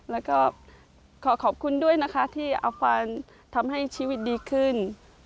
แล้วก็ขอขอบคุณด้วยนะคะที่เอาความทำให้ชีวิตดีขึ้น